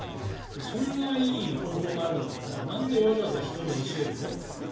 そんないい方法があるんだったらなんでわざわざ人に教えるのって。